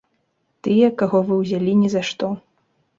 Тыя, каго вы ўзялі ні за што.